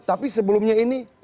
tapi sebelumnya ini